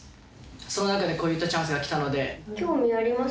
その中でこういったチャンスがきたので。